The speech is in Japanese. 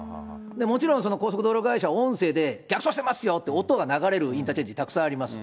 もちろん、高速道路会社は音声で逆走してますよって音が流れるインターチェンジ、たくさんあります。